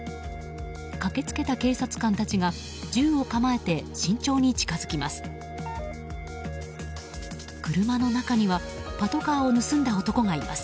駆け付けた警察官たちが銃を構えて慎重に近づきます。